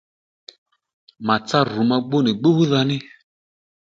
Màtsá rù ma gbú nì gbúdha ní